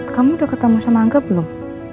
kamu udah ketemu sama angga belum